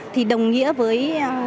thì đồng nghĩa với